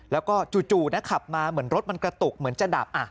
แล้วก็จู่นะขับมาเหมือนรถมันกระตุกเหมือนจะดับ